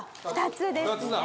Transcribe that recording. ２つですね。